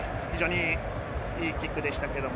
いいキックでした。